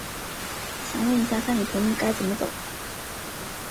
想问一下，三里屯该怎么走？